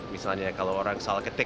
misalnya kalau orang salah ketik